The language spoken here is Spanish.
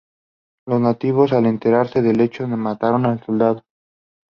Los nativos al enterarse del hecho mataron al soldado.